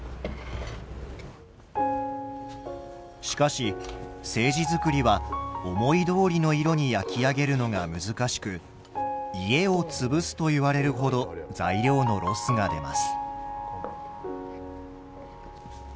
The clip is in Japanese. しかし青磁作りは思いどおりの色に焼き上げるのが難しく「家を潰す」といわれるほど材料のロスが出ます。